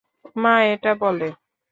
মা এটা বলে।